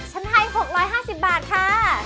ฉันให้๖๕๐บาทค่ะ